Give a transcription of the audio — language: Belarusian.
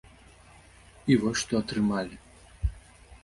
І вось, што атрымалі.